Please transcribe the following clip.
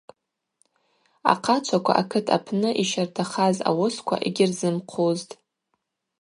Ахъачваква акыт апны йщардахаз ауысква йгьырзымхъузтӏ.